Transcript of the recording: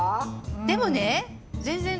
でもね全然。